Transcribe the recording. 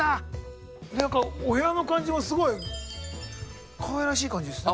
お部屋の感じもすごいかわいらしい感じですね。